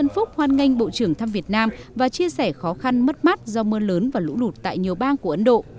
ngoan nganh bộ trưởng thăm việt nam và chia sẻ khó khăn mất mắt do mưa lớn và lũ lụt tại nhiều bang của ấn độ